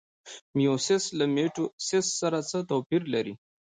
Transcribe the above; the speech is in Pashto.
میوسیس له مایټوسیس سره څه توپیر لري؟